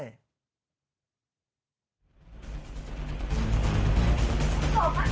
จับมับเขาให้